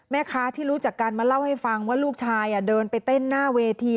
แม่ค้าที่รู้จักกันมาเล่าให้ฟังว่าลูกชายเดินไปเต้นหน้าเวที